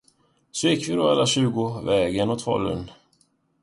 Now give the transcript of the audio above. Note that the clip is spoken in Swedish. Så gick vi då alla tjugo vägen åt Falun.